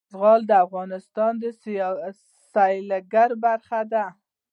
زغال د افغانستان د سیلګرۍ برخه ده.